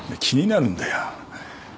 気になるんだよ。